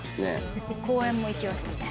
公園も行きましたね。